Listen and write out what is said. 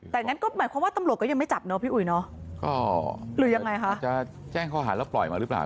แต่งั้นก็หมายความว่า